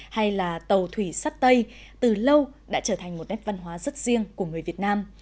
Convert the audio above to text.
hay là tàu thủy sắt tây từ lâu đã trở thành một nét văn hóa rất riêng của người việt nam